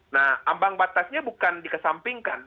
nah ambang batasnya bukan dikesampingkan